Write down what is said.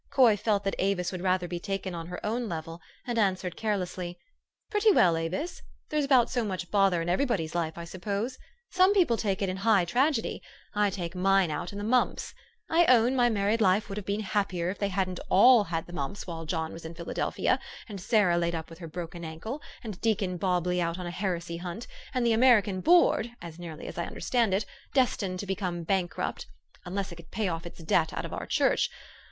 Coy felt that Avis would rather be taken on her own level, and answered carelessly, "Pretty well, Avis. There's about so much bother in everybody's life, I suppose. Some people take it in high tragedy. I take mine out in the mumps. I own my married life would have been happier if they hadn't all had the mumps while John was in Philadelphia, and Sarah laid up with her broken ankle, and Deacon Bobley out on a heresy hunt, and the THE STORY OF AVIS. 455 American Board as nearly as I understand it destined to become bankrupt, unless it could pay off its debt out of our church.